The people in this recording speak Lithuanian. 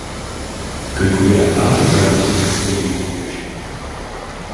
Kai kurie etapai gali būti vykdomi lygiagrečiai.